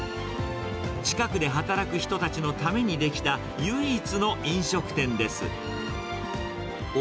近くで働く人たちのために出来た唯一の飲食店です。